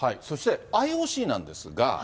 そしてＩＯＣなんですが。